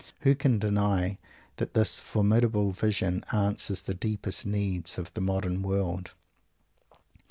Who can deny that this formidable vision answers the deepest need of the modern world?